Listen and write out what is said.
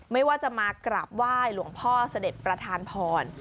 ไม่ว่าจะมากราบไหว้หลวงพ่อเสด็จประธานพร